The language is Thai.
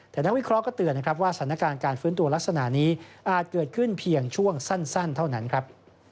แต่นักวิเคราะห์เตือนนะครับว่าสถานการณ์การฟื้นตัวลักษณะนี้อาจเกิดขึ้นเพียงช่วงสั้นเท่านั้นครับ